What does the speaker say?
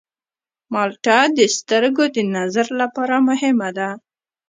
مالټه د سترګو د نظر لپاره مهمه ده.